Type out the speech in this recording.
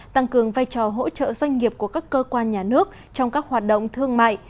tăng cường vai trò hỗ trợ doanh nghiệp của các cơ quan nhà nước trong các hoạt động thương mại